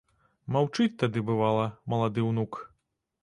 Маўчыць тады, бывала, малады ўнук.